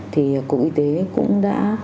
thì cục y tế cũng đã